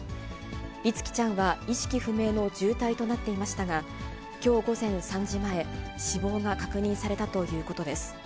律希ちゃんは意識不明の重体となっていましたが、きょう午前３時前、死亡が確認されたということです。